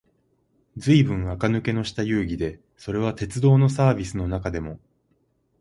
ずいぶん垢抜けのした遊戯で、それは鉄道のサーヴィスの中でも、